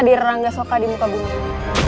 dari rangga soka di mutabunan